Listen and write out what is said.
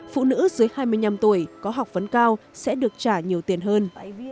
phụ nữ dưới hai mươi năm tuổi có học vấn cao sẽ được trả nhiều tiền hơn